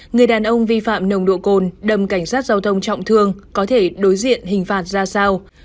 người đàn ông vi phạm nồng độ cồn đầm cảnh sát giao thông trọng thương có thể đối diện hình phạt ra sao